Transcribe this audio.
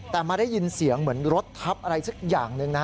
แต่มาได้ยินเสียงเหมือนรถทับอะไรสักอย่างหนึ่งนะ